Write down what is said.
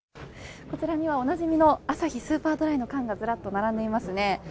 こちらにはおなじみの、アサヒスーパードライの缶がずらっと並んでいますね。